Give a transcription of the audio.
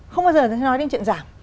không bao giờ nói đến chuyện giảm